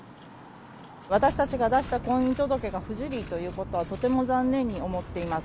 私たちが出した婚姻届が不受理ということは、とても残念に思っています。